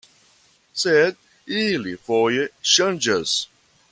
Sed ili foje ŝanĝas.